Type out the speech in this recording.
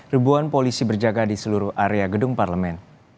ribuan polisi berjaga di seluruh area gedung parlemen